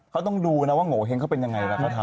เขาต้องดูนะว่าโงเห้งเขาเป็นยังไงเวลาเขาทำ